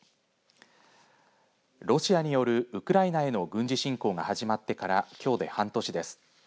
ロシアによるウクライナへの軍事侵攻が始まってからきょうで半年です。